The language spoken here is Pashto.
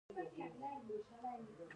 ایا له خلکو لرې کیږئ؟